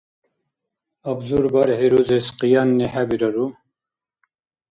Абзур бархӀи рузес къиянни хӀебирару?